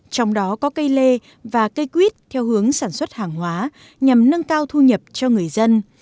trong đó có cây lê và cây quýt theo hướng sản xuất hàng hóa nhằm nâng cao thu nhập cho người dân